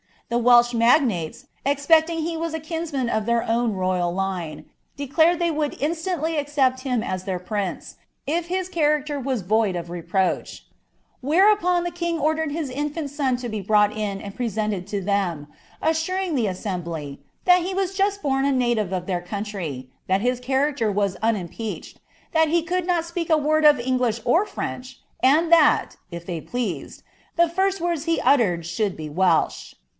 The Welsh magnates, expect ing he was a kinsman of their own royal line, declared they would in Mnitly accept him as their prince, if his character was void of reproach ; whereupon the king ordered his infant son to be brought in and pre Moted to them, assuring the assembly, ^ that he was just bom a native of their countiy, that his character was unimpeached, that he could not ■peak a word of English or French, and that, if they pleased, the first words he uttered should be Welsh.''